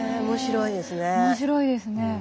面白いですね。